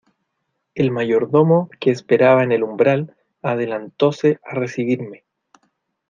el mayordomo que esperaba en el umbral, adelantóse a recibirme